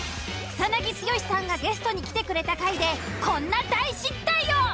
草剛さんがゲストに来てくれた回でこんな大失態を！